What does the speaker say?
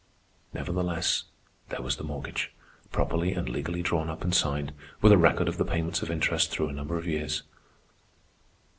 Nevertheless there was the mortgage, properly and legally drawn up and signed, with a record of the payments of interest through a number of years.